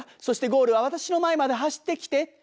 そしてゴールはわたしの前まで走ってきて」。